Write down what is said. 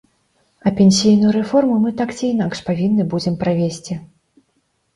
А пенсійную рэформу мы так ці інакш павінны будзем правесці.